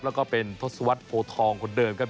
แล้วก็เป็นทศวรรษโพทองคนเดิมครับ